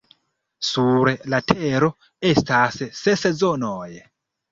Sur la Tero estas ses Zonoj.